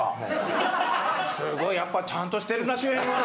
すごいやっぱちゃんとしてるな主演は。